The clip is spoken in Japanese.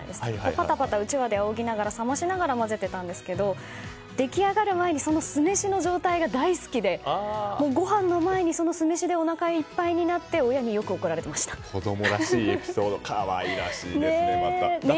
パタパタとうちわであおぎながら冷ましながら作ってたんですが出来上がる前の酢飯の状態が大好きでごはんの前に酢飯でおなかいっぱいになって子供らしいエピソード。